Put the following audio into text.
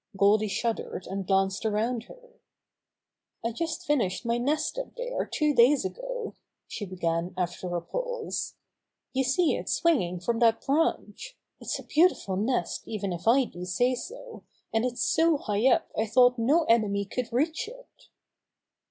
Goldy shuddered and glanced around her. "I just finished my nest up there two days ago," she began after a pause. "You see it swinging from that branch. It's a beautiful nest even if I do say so, and it's so high up I thought no enemy could reach it."